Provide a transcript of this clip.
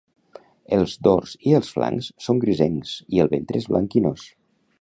El dors i els flancs són grisencs i el ventre és blanquinós.